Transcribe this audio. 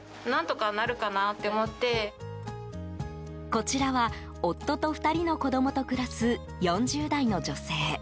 こちらは夫と２人の子供と暮らす４０代の女性。